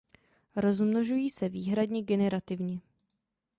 Rozmnožují se výhradně generativně.